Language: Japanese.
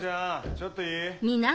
ちょっといい？